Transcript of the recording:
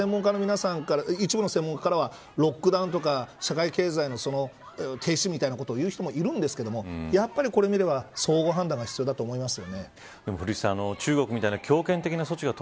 でも、いまだに一部の専門家からはロックダウンとか社会経済の停止みたいなこと言う人もいるんですけどやっぱりこれを見れば、総合的な判断が必要だと思います。